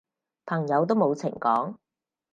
朋友都冇情講